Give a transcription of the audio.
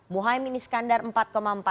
muhaymin iskandar empat empat